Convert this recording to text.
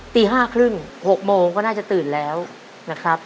ตี๕๓๐๖โมงก็น่าจะตื่นแล้วนะครับ